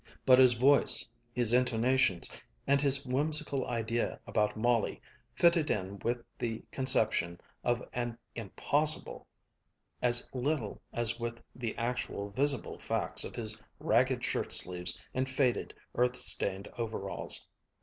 But his voice, his intonations, and his whimsical idea about Molly fitted in with the conception of an "impossible" as little as with the actual visible facts of his ragged shirt sleeves and faded, earth stained overalls.